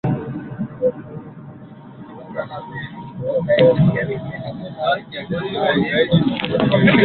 kikubwa kinachotakiwa ni kujipanga